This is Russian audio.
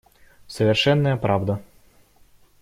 Совершенная правда.